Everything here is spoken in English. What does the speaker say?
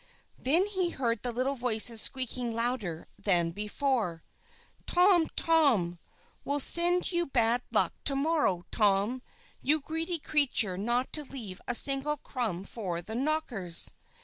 Then he heard the little voices squeaking louder than before: "Tom! Tom! We'll send you bad luck to morrow, Tom! you greedy creature not to leave a single crumb for the Knockers!"